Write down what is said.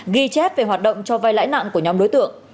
ghi chép về hoạt động cho vai lãi nặng của nhóm đối tượng